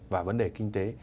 và vấn đề kinh tế